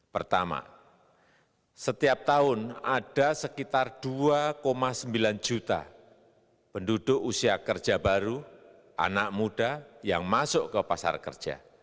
pertama setiap tahun ada sekitar dua sembilan juta penduduk usia kerja baru anak muda yang masuk ke pasar kerja